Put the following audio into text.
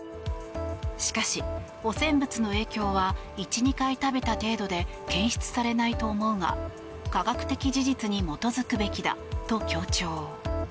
しかし、汚染物の影響は１２回食べた程度で検出されないと思うが科学的事実に基づくべきだと強調。